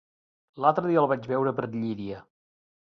L'altre dia el vaig veure per Llíria.